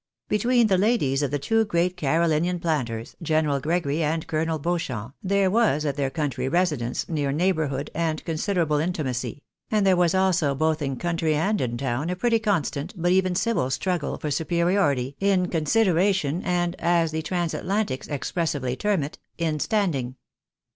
Between the ladies of the two great Carolinian planters, General Gregory and Colonel Beauchamp, there was at their country resi dence near neighbourhood and considerable intimacy : and there was also, both in country and in town, a pretty constant, but even civil struggle, for superiority, in consideration and (as the Transatlantics expressively term it) in standing.